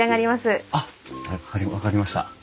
あっ分かりました。